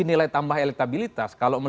nilai tambah elitabilitas